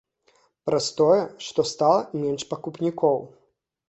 Праз тое, што стала менш пакупнікоў.